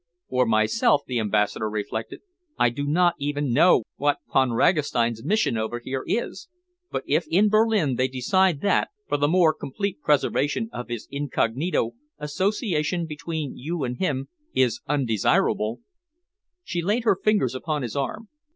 "For myself," the Ambassador reflected, "I do not even know what Von Ragastein's mission over here is, but if in Berlin they decide that, for the more complete preservation of his incognito, association between you and him is undesirable " She laid her fingers upon his arm.